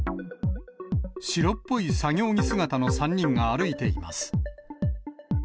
白っぽい作業着姿の３人が歩いています。